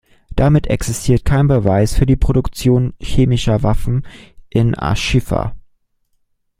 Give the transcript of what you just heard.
Damit existiert kein Beweis für die Produktion chemischer Waffen in asch-Schifa.